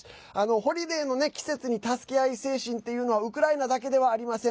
ホリデーの季節に助け合い精神っていうのはウクライナだけではありません。